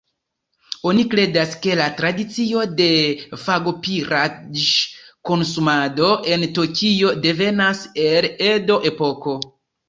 Oni kredas, ke la tradicio de fagopiraĵ-konsumado en Tokio devenas el Edo-epoko.